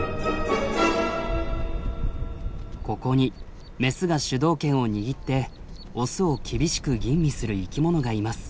ここにメスが主導権を握ってオスを厳しく吟味する生きものがいます。